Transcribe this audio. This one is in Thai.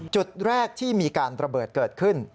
จุดแรกที่มีการระเบิดเกิดขึ้น